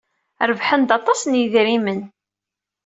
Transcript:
Rebḥen-d aṭas n yidrimen.